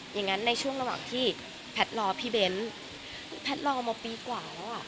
ในช่วงระหว่างที่แพทย์รอพี่เบ้นแพทย์รอมาปีกว่าแล้วอ่ะ